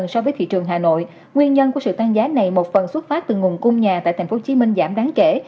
so với thị trường hà nội nguyên nhân của sự tăng giá này một phần xuất phát từ nguồn cung nhà tại tp hcm giảm đáng kể